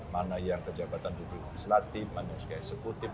mana yang kejabatan di selatip mana yang harus ke eksekutif